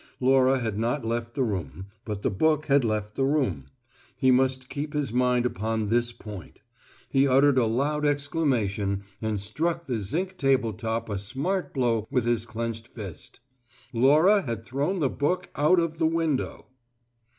Laura had not left the room, but the book had left the room: he must keep his mind upon this point. He uttered a loud exclamation and struck the zinc table top a smart blow with his clenched fist. Laura had thrown the book out of the window!